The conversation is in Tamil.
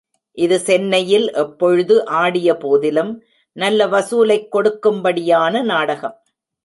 இது சென்னையில் எப்பொழுது ஆடிய போதிலும் நல்ல வசூலைக் கொடுக்கும்படியான நாடகம்.